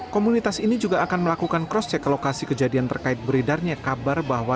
komunitas ini juga akan melakukan cross check ke lokasi kejadian terkait beredarnya kabar bahwa